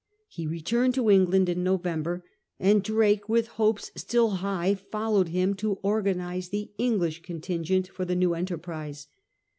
He returned to England in November, and Drake with hopes still high followed him to organise the English contingent for the new enterprise.